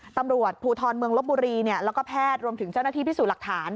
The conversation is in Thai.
ตำรวจภูทรเมืองลบบุรีแล้วก็แพทย์รวมถึงเจ้าหน้าที่พิสูจน์หลักฐาน